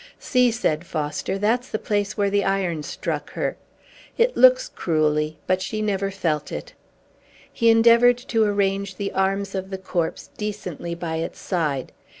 "See!" said Foster. "That's the place where the iron struck her. It looks cruelly, but she never felt it!" He endeavored to arrange the arms of the corpse decently by its side.